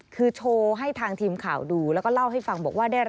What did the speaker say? คือโชว์ให้ทางทีมข่าวดูแล้วก็เล่าให้ฟังบอกว่า